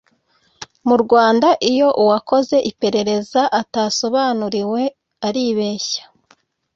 Mu Rwanda iyo uwakoze iperereza atasobanuriwe aribeshya